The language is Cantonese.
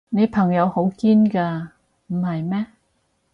你朋友好堅㗎，唔係咩？